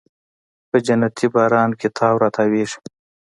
په جنتي باران کې تاو راتاویږې